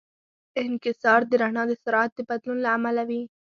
انکسار د رڼا د سرعت د بدلون له امله وي.